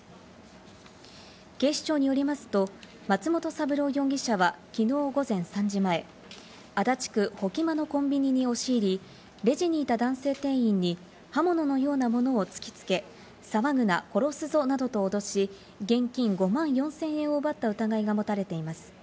警視庁によりますと、松本三郎容疑者はきのう午前３時前、足立区保木間のコンビニに押し入り、レジにいた男性店員に刃物のようなものを突きつけ、騒ぐな、殺すぞなどと脅し、現金５万４０００円を奪った疑いが持たれています。